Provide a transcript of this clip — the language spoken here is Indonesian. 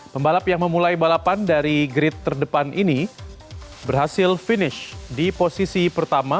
pembalap yang memulai balapan dari grid terdepan ini berhasil finish di posisi pertama